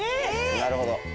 なるほど。